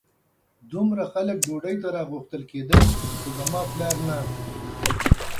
دومره خلک ډوډۍ ته راغوښتل کېدل خو زما پلار نه.